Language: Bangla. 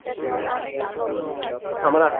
সংশয়ের উত্তর পরবর্তী সূত্রের ভাষ্যে প্রদত্ত হইয়াছে।